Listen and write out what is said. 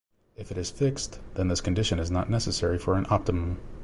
If it is fixed, then this condition is not necessary for an optimum.